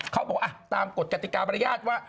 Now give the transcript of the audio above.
เขาบอกตามกฎกติกาบรรยาทว่า